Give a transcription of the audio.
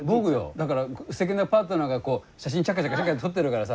だからすてきなパートナーがこう写真チャカチャカ撮ってるからさ。